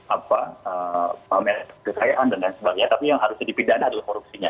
apa paham ya kekayaan dan lain sebagainya tapi yang harusnya dipindahkan adalah korupsinya